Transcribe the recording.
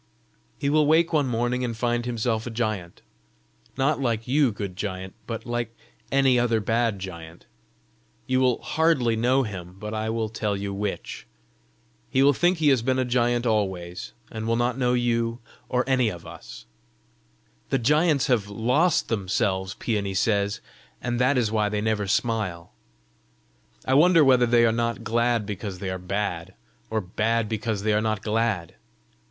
"He will wake one morning and find himself a giant not like you, good giant, but like any other bad giant. You will hardly know him, but I will tell you which. He will think he has been a giant always, and will not know you, or any of us. The giants have lost themselves, Peony says, and that is why they never smile. I wonder whether they are not glad because they are bad, or bad because they are not glad.